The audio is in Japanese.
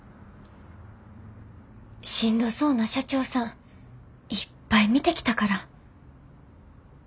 しんどそうな社長さんいっぱい見てきたから。